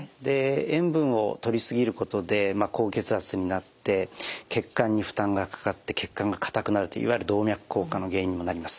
塩分をとり過ぎることで高血圧になって血管に負担がかかって血管が硬くなるといわゆる動脈硬化の原因にもなります。